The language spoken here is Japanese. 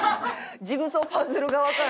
ジグソーパズル側から。